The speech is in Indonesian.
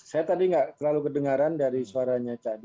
saya tadi nggak terlalu kedengaran dari suaranya cak